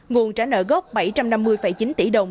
nguồn trả nợ gốc bảy trăm năm mươi chín tỷ đồng